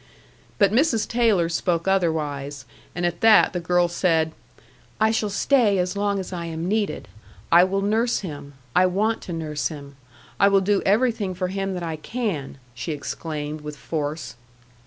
But Mrs. Taylor spoke otherwise, and at that the girl said: "I shall stay as long as I am needed. I will nurse him. I want to nurse him. I will do everything for him that I can!" she exclaimed, with force.